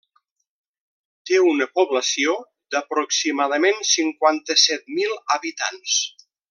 Té una població d'aproximadament cinquanta-set mil habitants.